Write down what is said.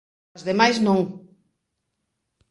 ¡As demais non!